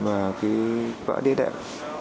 mà cái vỡ địa đệm